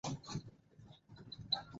amesema hakuna mtu anayeruhusiwa kuwaona